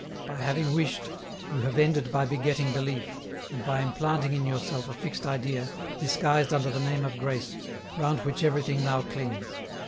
By having wished, you have ended by begetting belief, and by implanting in your self a fixed idea, disguised under the name of grace, round which everything now clings.